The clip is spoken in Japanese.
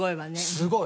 すごい。